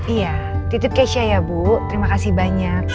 iya titip kesha ya bu terima kasih banyak